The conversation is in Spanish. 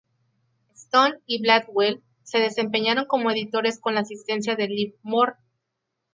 Stone y Blackwell se desempeñaron como editores, con la asistencia de Livermore.